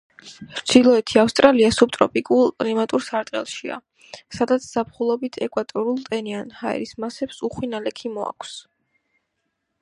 ჩრდილოეთი ავსტრალია სუბტროპიკულ კლიმატურ სარტყელშია, სადაც ზაფხულობით ეკვატორულ ტენიან ჰაერის მასებს უხვი ნალექი მოაქვს.